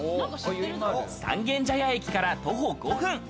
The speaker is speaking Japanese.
三軒茶屋駅から徒歩５分。